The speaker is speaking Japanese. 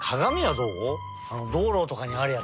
どうろとかにあるやつ。